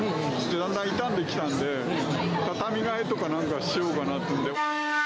だんだん傷んできたんで、畳替えとかなんとかしようかなって言うんで。